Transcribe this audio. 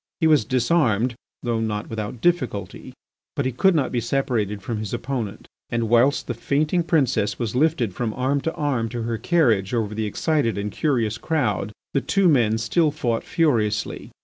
He was disarmed, though not without difficulty, but he could not be separated from his opponent. And whilst the fainting princess was lifted from arm to arm to her carriage over the excited and curious crowd, the two men still fought furiously.